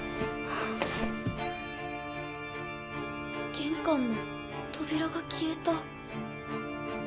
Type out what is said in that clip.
玄関の扉が消えた。